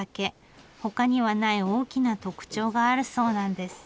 他にはない大きな特徴があるそうなんです。